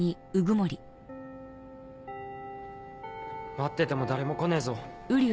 待ってても誰も来ねえぞ。